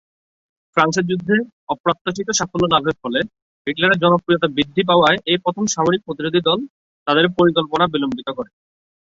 ফ্রান্সের যুদ্ধে অপ্রত্যাশিত সাফল্য লাভের ফলে হিটলারের জনপ্রিয়তা বৃদ্ধি পাওয়ায় এই প্রথম সামরিক প্রতিরোধী দল তাদের পরিকল্পনা বিলম্বিত করে।